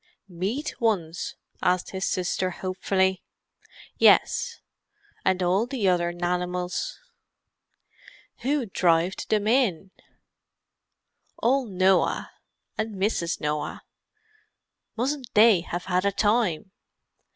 "Meat ones?" asked his sister hopefully. "Yes. And all the other nanimals." "Who drived 'em in?" "Ole Noah and Mrs. Noah. Mustn't they have had a time!